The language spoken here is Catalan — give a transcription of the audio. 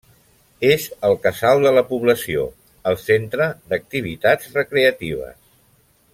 És el casal de la població, el centre d'activitats recreatives.